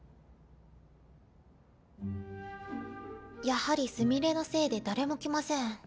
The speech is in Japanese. やはりすみれのせいで誰も来ません。